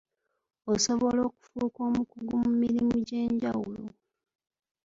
Osobola okufuuka omukugu mu mirimu egy'enjawulo.